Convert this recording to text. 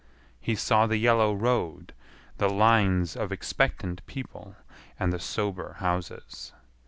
He saw the yellow road, the lines of expectant people, and the sober houses.